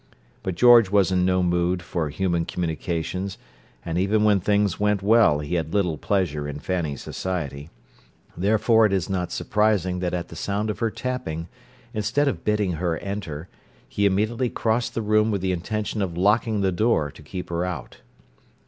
But George was in no mood for human communications, and even when things went well he had little pleasure in Fanny's society. Therefore it is not surprising that at the sound of her tapping, instead of bidding her enter, he immediately crossed the room with the intention of locking the door to keep her out.